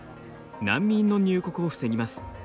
難民の入国を防ぎます。